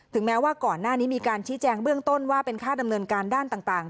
แม้ว่าก่อนหน้านี้มีการชี้แจงเบื้องต้นว่าเป็นค่าดำเนินการด้านต่าง